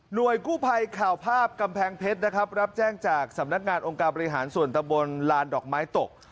โดยกู้ภัยข่าวภาพกำแพงเพชรนะครับรับแจ้งจากสำนักงานองค์การบริหารส่วนตะบนลานดอกไม้ตก